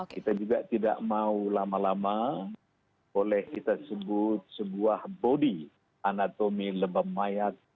kita juga tidak mau lama lama boleh kita sebut sebuah bodi anatomi lebam mayat